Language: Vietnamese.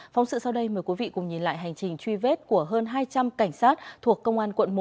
phóng sự sau đây mời quý vị cùng nhìn lại hành trình truy vết của hơn hai trăm linh cảnh sát thuộc công an quận một